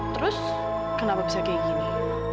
terus kenapa bisa kayak gini